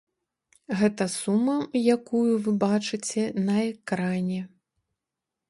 Гэта сума, якую вы бачыце на экране.